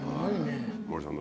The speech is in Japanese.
森さん